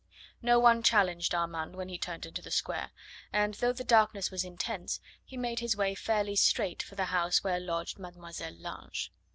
No one challenged Armand when he turned into the square, and though the darkness was intense, he made his way fairly straight for the house where lodged Mademoiselle Lange.